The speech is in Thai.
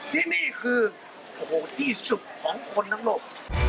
ที่นี่คือโอ้โหที่สุดของคนทั้งโลก